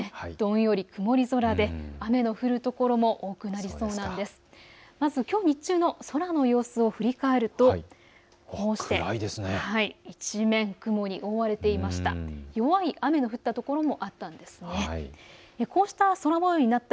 まず、きょう日中の空の様子を振り返ると一面雲に覆われていました。